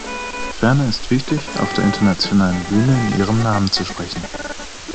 Ferner ist wichtig, auf der internationalen Bühne in ihrem Namen zu sprechen.